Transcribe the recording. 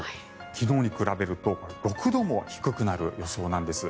昨日に比べると６度も低くなる予想なんです。